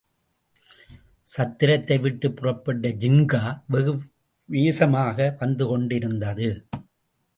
சத்திரத்தை விட்டுப் புறப்பட்ட ஜின்கா வெகு வேசமாக வந்துகொண்டிருந்தது.